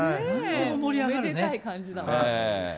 めでたい感じに。